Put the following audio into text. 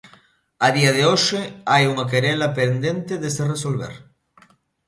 A día de hoxe hai unha querela pendente de se resolver.